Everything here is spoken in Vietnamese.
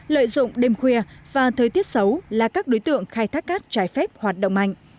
lợi dụng đêm khuya và thời tiết xấu là các đối tượng khai thác cát trái phép hoạt động mạnh